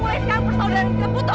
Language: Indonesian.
mulai sekarang persaudaraan kita putus